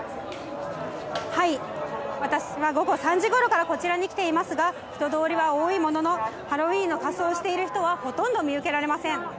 私は午後３時ごろからこちらに来ていますが、人通りは多いものの、ハロウィーンの仮装をしている人はほとんど見受けられません。